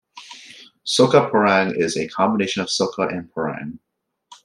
Soca parang is a combination of soca and parang.